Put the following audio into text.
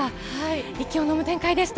息をのむ展開でした。